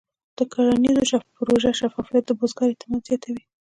د کرنیزو پروژو شفافیت د بزګر اعتماد زیاتوي.